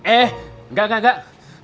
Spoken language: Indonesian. eh enggak enggak enggak